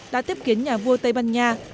đã tiếp kiến nhà vua tây ban nha